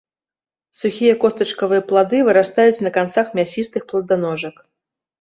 Сухія костачкавыя плады вырастаюць на канцах мясістых пладаножак.